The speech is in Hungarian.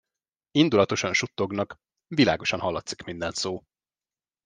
Indulatosan suttognak, világosan hallatszik minden szó.